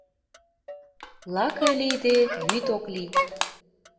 Лаке лийде, вӱд ок лий.